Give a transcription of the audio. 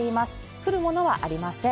降るものはありません。